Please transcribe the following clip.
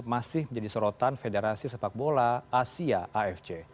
masih menjadi sorotan federasi sepak bola asia afc